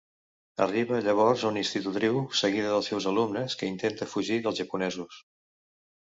Arriba llavors una institutriu seguida dels seus alumnes que intenta fugir dels japonesos.